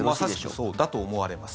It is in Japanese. まさしくそうだと思われます。